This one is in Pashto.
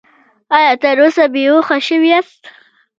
ایا تر اوسه بې هوښه شوي یاست؟